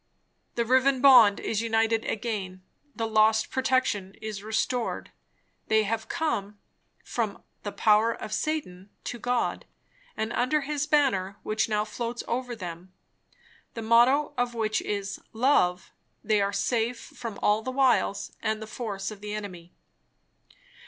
The riven bond is united again; the lost protection is restored; they have come "from the power of Satan, to God"; and under his banner which now floats over them, the motto of which is "Love," they are safe from all the wiles and the force of the enemy.